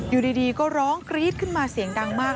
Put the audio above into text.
อยู่ดีก็ร้องกรี๊ดขึ้นมาเสียงดังมาก